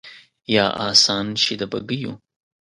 یا آسان شي د بګیو